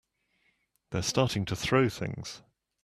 They're starting to throw things!